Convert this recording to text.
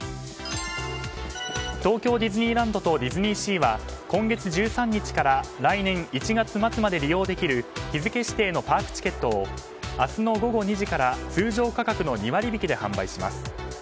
東京ディズニーランドとディズニーシーは今月１３日から来年１月末まで利用できる日付指定のパークチケットを明日の午後２時から通常価格の２割引きで販売します。